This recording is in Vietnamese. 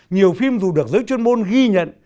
nhiều phim dù được giới chuyên môn ghi nhận